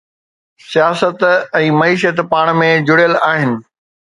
سياست ۽ معيشت پاڻ ۾ جڙيل آهن.